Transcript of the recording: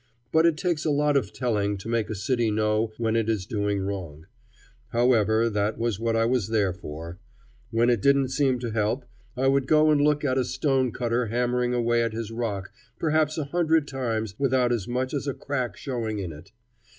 But it takes a lot of telling to make a city know when it is doing wrong. However, that was what I was there for. When it didn't seem to help, I would go and look at a stone cutter hammering away at his rock perhaps a hundred times without as much as a crack showing in it.